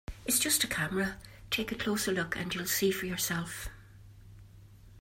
It's just a camera, take a closer look and you'll see for yourself.